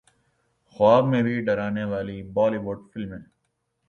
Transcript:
خواب میں بھی ڈرانے والی بولی وڈ فلمیں